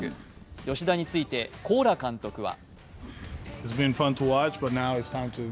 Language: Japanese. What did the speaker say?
吉田について、コーラ監督は。